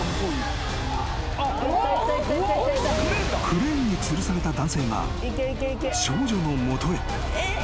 ［クレーンにつるされた男性が少女の元へ］